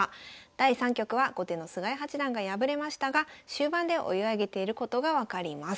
第３局は後手の菅井八段が敗れましたが終盤で追い上げていることが分かります。